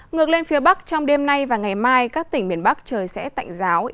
ngược lên phía bắc trong đêm nay và ngày mai các tỉnh miền bắc trời sẽ tạnh giáo